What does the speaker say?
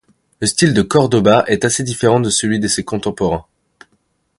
Le style de Córdoba est assez différent de celui de ses contemporains.